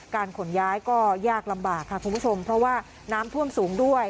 ขนย้ายก็ยากลำบากค่ะคุณผู้ชมเพราะว่าน้ำท่วมสูงด้วย